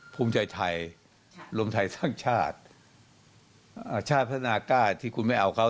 ภูมิใจไทยรวมไทยสร้างชาติชาติพัฒนากล้าที่คุณไม่เอาเขา